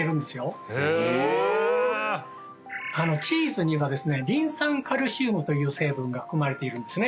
チーズにはですねリン酸カルシウムという成分が含まれているんですね